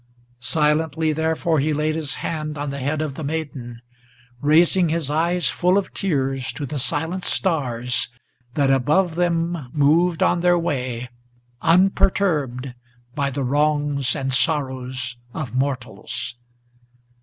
Silently, therefore, he laid his hand on the head of the maiden, Raising his eyes full of tears to the silent stars that above them Moved on their way, unperturbed by the wrongs and sorrows of mortals.